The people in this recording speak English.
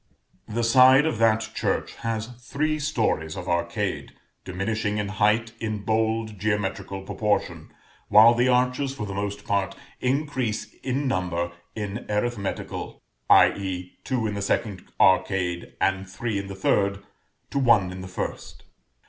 The side of that church has three stories of arcade, diminishing in height in bold geometrical proportion, while the arches, for the most part, increase in number in arithmetical, i.e. two in the second arcade, and three in the third, to one in the first.